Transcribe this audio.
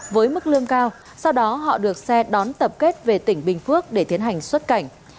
với mức lương cao sau đó họ được xe đón tập kết về tỉnh bình phước để tiến hành xuất cảnh